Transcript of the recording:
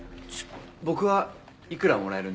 僕は幾らもらえるんですか？